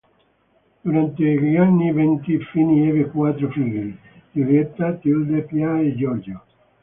Durante gli anni venti Fini ebbe quattro figli, Giulietta, Tilde, Pia e Giorgio.